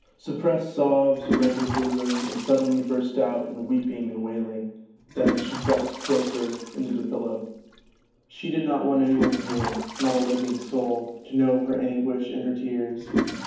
Sup pressed sobs rent her bosom and suddenly burst out in weeping and wailing, then she pressed closer into the pillow : she did not want any one here, not a living soul, to know of her anguish and her tears.